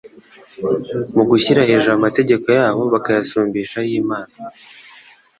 mu gushyira hejuru amategeko yabo bakayasumbisha ay'Imana,